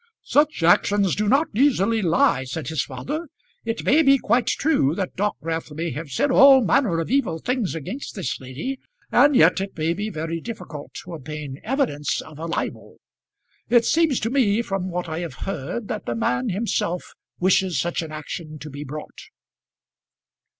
"Such actions do not easily lie," said his father. "It may be quite true that Dockwrath may have said all manner of evil things against this lady, and yet it may be very difficult to obtain evidence of a libel. It seems to me from what I have heard that the man himself wishes such an action to be brought."